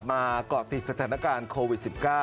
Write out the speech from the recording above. เกาะติดสถานการณ์โควิด๑๙